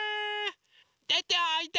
でておいで！